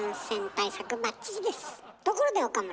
ところで岡村。